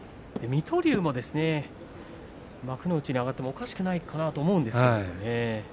水戸龍も幕内に上がってもおかしくないかなと思うんですけどね。